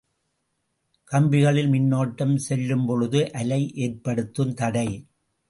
கம்பிகளில் மின்னோட்டம் செல்லும்பொழுது அலை ஏற்படுத்தும் தடை.